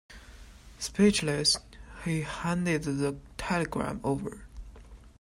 Speechless, he handed the telegram over.